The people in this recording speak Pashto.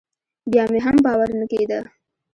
بيا مې هم باور نه کېده.